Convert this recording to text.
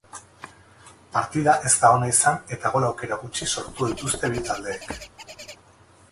Partida ez da ona izan eta gol aukera gutxi sortu dituzte bi taldeek.